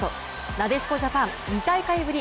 なでしこジャパン２大会ぶり